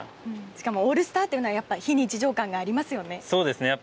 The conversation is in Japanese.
しかもオールスターというのは非日常感がありますよね。